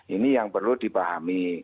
ini yang perlu dipahami